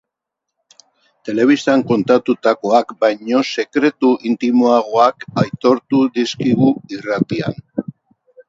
Telebistan kontatutakoak baino sekretu intimoagoak aitortu dizkigu irratian.